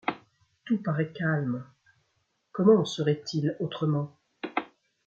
Tout parait calme, comment en serait-il autrement ?